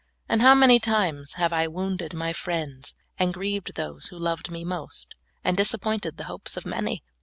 And how many times have I wounded my friends, and grieved those who loved me most, and dis appointed the hopes of many